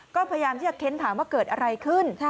ก็พยายามที่จะเค้นถามว่าเกิดอะไรขึ้น